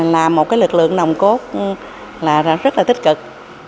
là một lực lượng nồng cốt rất là tích cực